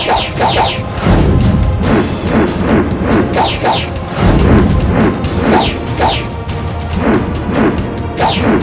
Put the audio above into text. aku akan mencari kebaikanmu